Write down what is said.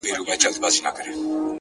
اوس مي د سپين قلم زهره چاودلې ـ